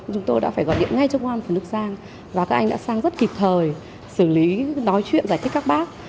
chúng tôi đã phải gọi điện ngay trong công an phường đức giang và các anh đã sang rất kịp thời xử lý nói chuyện giải thích các bác